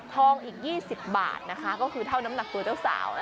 ทองอีก๒๐บาทนะคะก็คือเท่าน้ำหนักตัวเจ้าสาว